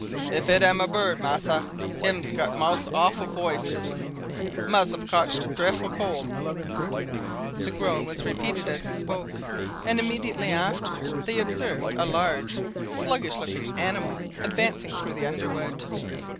"If it am a bird, massa, hims got a mos' awful voice. Mus' have cotched a drefful cold!" The groan was repeated as he spoke, and immediately after they observed a large, sluggish looking animal, advancing through the underwood.